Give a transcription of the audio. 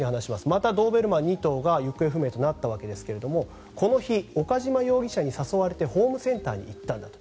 またドーベルマン２頭が行方不明になったわけですがこの日、岡島容疑者に誘われてホームセンターに行ったんだと。